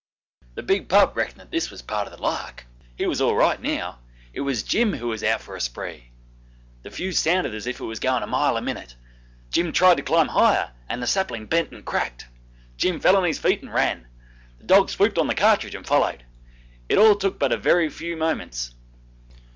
The big pup reckoned that this was part of the lark he was all right now it was Jim who was out for a spree. The fuse sounded as if it were going a mile a minute. Jim tried to climb higher and the sapling bent and cracked. Jim fell on his feet and ran. The dog swooped on the cartridge and followed. It all took but a very few moments.